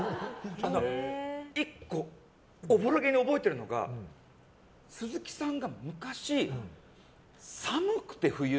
１個おぼろげに覚えているのが鈴木さんが昔、寒くて、冬。